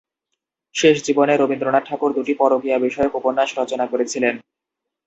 শেষ জীবনে রবীন্দ্রনাথ ঠাকুর দুটি পরকীয়া-বিষয়ক উপন্যাস রচনা করেছিলেন।